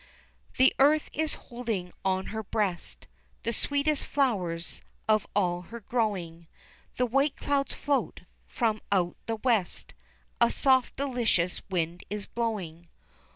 The earth is holding on her breast, The sweetest flowers of all her growing, The white clouds float, from out the west A soft delicious wind is blowing.